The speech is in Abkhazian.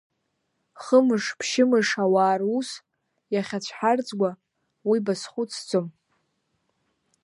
Хымш-ԥшьымш ауаа рус иахьацәҳарӡуа, уи базхәыцӡом…